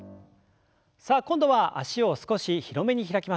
さあ今度は脚を少し広めに開きます。